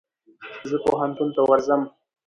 زه پوهنتون ته ورځم.